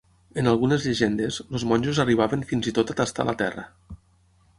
En algunes llegendes, els monjos arribaven fins i tot a "tastar" la terra.